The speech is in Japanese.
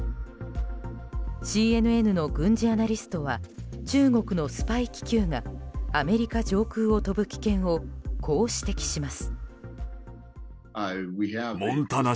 ＣＮＮの軍事アナリストは中国のスパイ気球がアメリカ上空を飛ぶ危険をこう指摘します。